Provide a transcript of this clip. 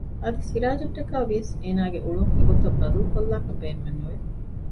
އަދި ސިރާޖަށްޓަކައި ވިޔަސް އޭނާގެ އުޅުން އެގޮތަށް ބަދަލު ކޮށްލާކަށް ބޭނުމެއް ނުވެ